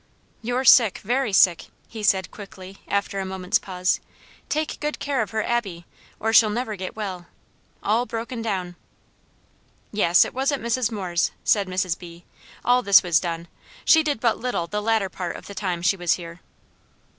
"You're sick, very sick," he said, quickly, after a moment's pause. "Take good care of her, Abby, or she'll never get well. All broken down." "Yes, it was at Mrs. Moore's," said Mrs. B., "all this was done. She did but little the latter part of the time she was here."